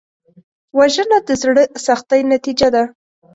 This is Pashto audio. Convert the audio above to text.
وژنه د زړه سختۍ نتیجه ده